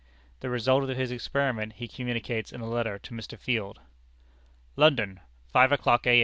The result of his experiments he communicates in a letter to Mr. Field: "London, Five o'clock A.